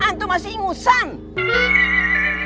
antum masih ingusan